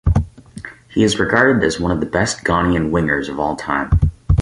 He is regarded as one of the best Ghanaian wingers of all time.